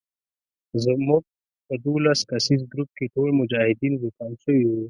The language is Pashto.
زموږ په دولس کسیز ګروپ کې ټول مجاهدین زکام شوي وو.